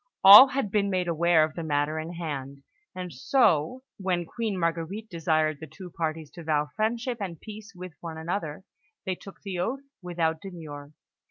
All had been made aware of the matter in hand; and so, when Queen Marguerite desired the two parties to vow friendship and peace with one another, they took the oath without demur.